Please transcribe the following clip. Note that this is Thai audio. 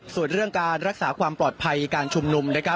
ส่วนเรื่องการรักษาความปลอดภัยการชุมนุม